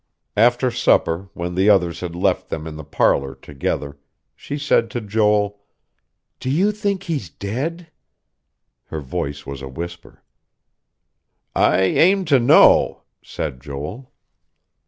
After supper, when the others had left them in the parlor together, she said to Joel: "Do you think he's dead?" Her voice was a whisper. "I aim to know," said Joel.